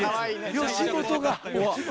吉本が。